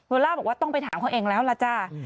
ล่าบอกว่าต้องไปถามเขาเองแล้วล่ะจ้า